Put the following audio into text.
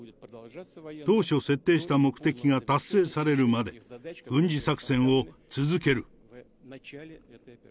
当初設定した目的が達成されるまで、軍事作戦を続ける。